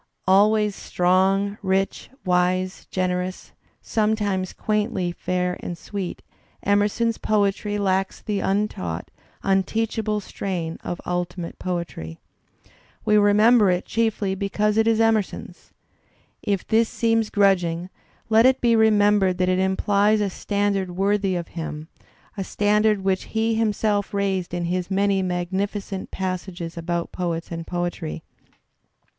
Always strong, rich, wise, generous, sometimes quaintly fair and sweet, Emerson's poetry lacks the untaught, un teachable strain of ultimate poetry. We remember it chiefly because it is Emerson's. If this seem grudging, let it be remembered that it implies a standard worthy of him, a standard which he himself raised in his many magnificent passages about poets and poetry.